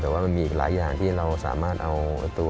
แต่ว่ามันมีอีกหลายอย่างที่เราสามารถเอาตัว